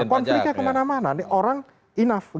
konfliknya kemana mana nih orang enough